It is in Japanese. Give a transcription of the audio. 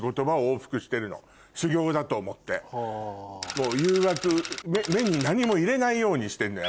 もう誘惑目に何も入れないようにしてるのよ